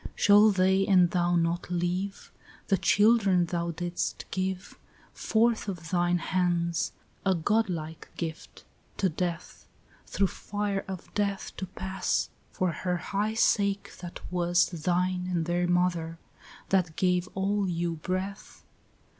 3 Shall they and thou not live, The children thou didst give Forth of thine hands, a godlike gift, to death, Through fire of death to pass For her high sake that was Thine and their mother, that gave all you breath?